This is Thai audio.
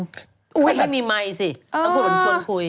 ไม่ให้มีไมค์สิต้องคุย